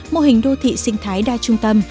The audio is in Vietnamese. mô hình đô thị sinh thái đa trung tâm